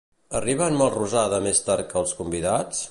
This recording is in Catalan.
Arriba en Melrosada més tard que els convidats?